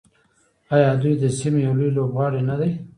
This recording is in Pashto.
آیا دوی د سیمې یو لوی لوبغاړی نه دی؟